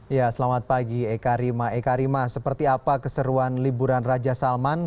ya selamat pagi eka rima eka rima seperti apa keseruan liburan raja salman